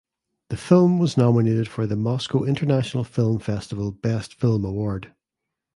The film was nominated for the Moscow International Film Festival best film award.